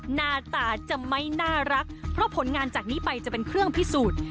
หน้าตาจะไม่น่ารักเพราะผลงานจากนี้ไปจะเป็นเครื่องพิสูจน์